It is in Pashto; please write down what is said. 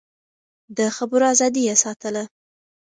د خبرو ازادي يې ساتله.